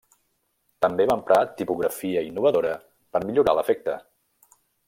També va emprar tipografia innovadora per millorar l'efecte.